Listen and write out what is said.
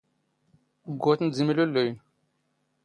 ⴳⴳⵓⵜⵏ ⴷ ⵉⵎⵍⵓⵍⵍⵓⵢⵏ.